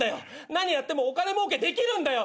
何やってもお金もうけできるんだよ！